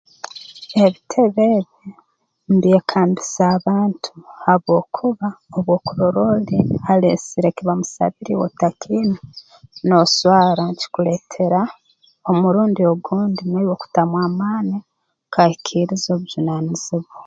Ebitebe ebi mbyekambisa abantu habwokuba obu okurora oli aleesire eki bamusabire iwe otakiine nooswara nkikuleetera omurundi ogundi naiwe kutamu amaani okahikiiriza obujunaanizibwa